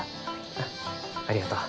ああありがとう。